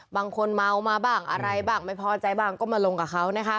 บางคนเมามาบ้างอะไรบ้างไม่พอใจบ้างก็มาลงกับเขานะคะ